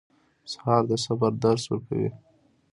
سهار د صبر درس ورکوي.